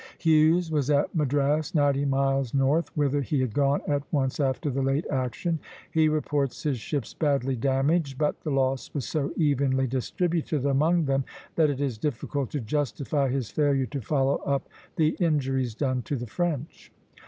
Hughes was at Madras, ninety miles north, whither he had gone at once after the late action. He reports his ships badly damaged; but the loss was so evenly distributed among them that it is difficult to justify his failure to follow up the injuries done to the French.